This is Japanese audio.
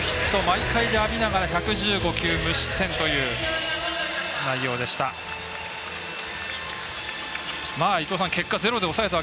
毎回でありながら１１５球無失点という内容でした。